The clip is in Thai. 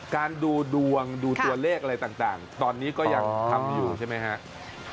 ดูดวงดูตัวเลขอะไรต่างตอนนี้ก็ยังทำอยู่ใช่ไหมครับ